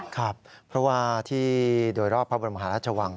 ครับเพราะว่าที่โดยรอบพระบรมหาราชวัง